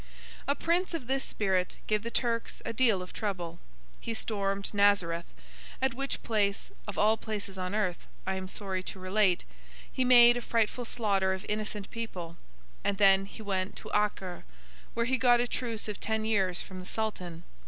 A Prince of this spirit gave the Turks a deal of trouble. He stormed Nazareth, at which place, of all places on earth, I am sorry to relate, he made a frightful slaughter of innocent people; and then he went to Acre, where he got a truce of ten years from the Sultan.